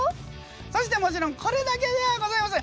そしてもちろんこれだけではございません。